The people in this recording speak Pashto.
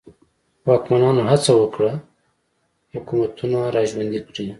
واکمنانو هڅه وکړه حکومتونه را ژوندي کړي.